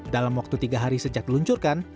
dalam waktu tiga hari sejak diluncurkan